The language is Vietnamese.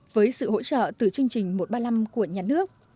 với sự hỗ trợ từ chương trình một trăm ba mươi năm của nhà nước